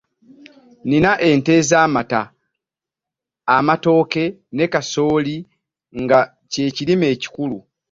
Nina ente ez'amata, amatooke ne kasooli nga kye kirime ekikulu.